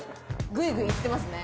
グイグイいってますね。